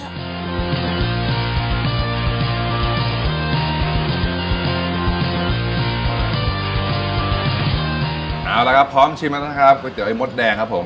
เอาละครับพร้อมชิมกันนะครับก๋วยเตี๋ยวไอมดแดงครับผม